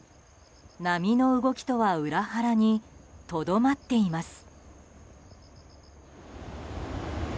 波の動きとは裏腹にとどまっています。